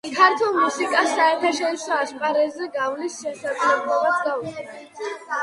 ქართულ მუსიკას საერთაშორისო ასპარეზზე გასვლის შესაძლებლობაც გაუჩნდა.